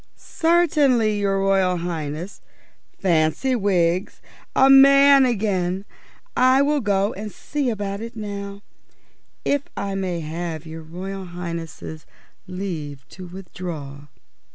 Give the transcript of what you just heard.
"Certainly, your Royal Highness. Fancy, Wiggs, a man again! I will go and see about it now, if I may have your Royal Highness's leave to withdraw?"